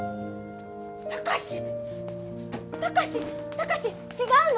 貴史違うの！